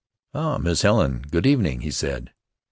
"Ah, Miss Helen! Good evening," he said.